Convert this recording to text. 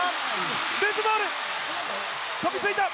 ルーズボール、飛びついた。